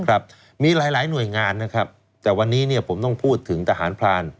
ครับมีหลายหลายหน่วยงานนะครับแต่วันนี้เนี่ยผมต้องพูดถึงทหารพราน